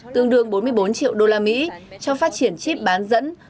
tương đương bốn mươi bốn triệu usd cho phát triển chip bán dẫn